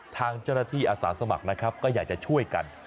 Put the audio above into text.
ทางเจ้าหน้าที่อาสาสมัครนะครับก็อยากจะช่วยกัน